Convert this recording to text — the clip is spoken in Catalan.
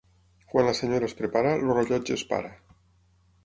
Quan la senyora es prepara, el rellotge es para.